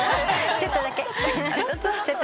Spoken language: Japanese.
ちょっとだけ？